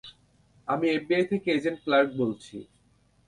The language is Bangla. আমি এফবিআই থেকে এজেন্ট ক্লার্ক বলছি।